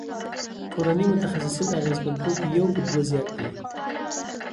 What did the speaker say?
کورني متخصصین اغیزمنتوب یو په دوه زیات دی.